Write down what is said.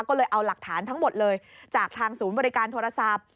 ก็เลยเอาหลักฐานทั้งหมดเลยจากทางศูนย์บริการโทรศัพท์